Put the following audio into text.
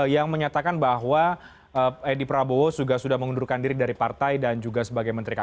yang menyatakan bahwa edi prabowo juga sudah mengundurkan diri dari partai dan juga sebagai menteri kabinet